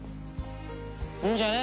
いいんじゃね。